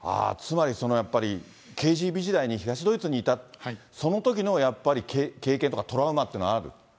つまり、やっぱり、ＫＧＢ時代に東ドイツにいた、そのときのやっぱり経験とかトラウマっていうのはある？